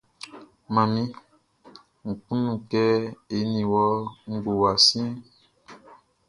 Manmi, Nʼkunnu kɛ eni wɔ ngowa siɛnʼn.